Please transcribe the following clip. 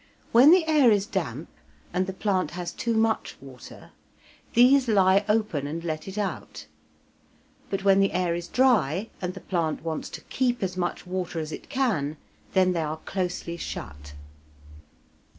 When the air is damp and the plant has too much water these lie open and let it out, but when the air is dry, and the plant wants to keep as much water as it can, then they are closely shut.